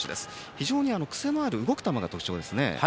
非常に癖のある動く球が特徴ですね。